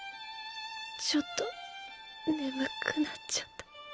ちょっと眠くなっちゃった。